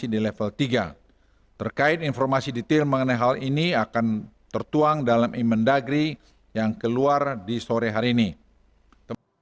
dari puncak kasus harian covid sembilan belas